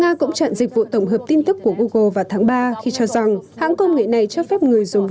nga cũng chặn dịch vụ tổng hợp tin tức của google vào tháng ba khi cho rằng hãng công nghệ này cho phép người dùng